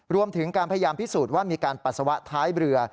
รวมถึงการพยายามพิสูจน์ว่ามีการปัสสาวะท้ายเรือ